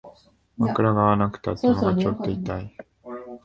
枕が合わなくて頭がちょっと痛い